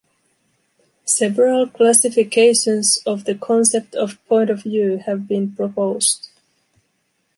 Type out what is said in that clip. Several classifications of the concept of point of view have been proposed.